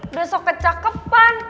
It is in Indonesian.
udah sok kecapepan